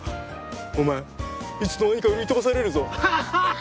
お前いつの間にか売り飛ばされるぞハハハ！